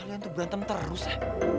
kalian tuh berantem terus lah